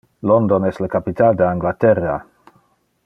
London es le capital de Anglaterra.